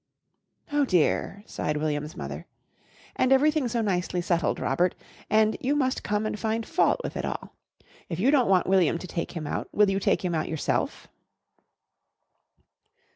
"Oh, dear!" sighed William's mother. "And everything so nicely settled, Robert, and you must come and find fault with it all. If you don't want William to take him out, will you take him out yourself?"